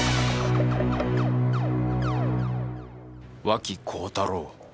脇幸太郎。